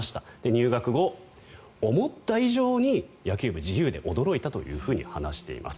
入学後、思った以上に野球部が自由で驚いたと話しています。